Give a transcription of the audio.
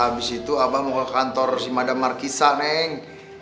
abis itu abah mau ke kantor si mada markisa neng